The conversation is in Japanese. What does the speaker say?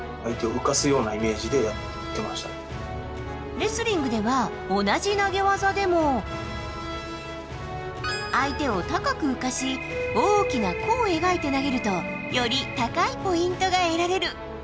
レスリングでは同じ投げ技でも相手を高く浮かし大きな弧を描いて投げるとより高いポイントが得られる。